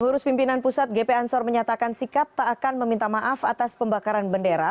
pengurus pimpinan pusat gp ansor menyatakan sikap tak akan meminta maaf atas pembakaran bendera